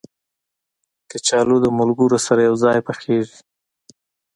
کچالو د ملګرو سره یو ځای پخېږي